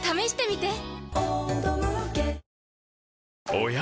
おや？